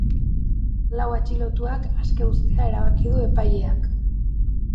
Lau atxilotuak aske uztea erabaki du epaileak.